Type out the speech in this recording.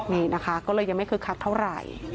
นี่นะคะก็เลยยังไม่คึกคักเท่าไหร่